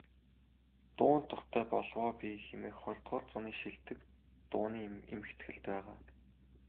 "Дуунд дуртай болов оо би" хэмээх ХХ зууны шилдэг дууны эмхэтгэлд байгаа.